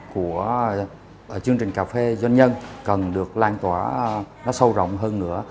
của chương trình cà phê doanh nhân cần được lan tỏa nó sâu rộng hơn nữa